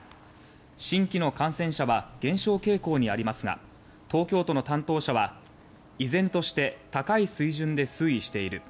新規の感染者は減少傾向にありますが東京都の担当者は依然として高い水準で推移している。